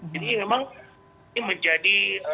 jadi memang ini menjadi